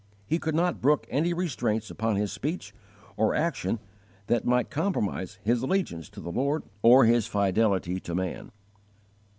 He could not brook any restraints upon his speech or action that might compromise his allegiance to the Lord or his fidelity to man.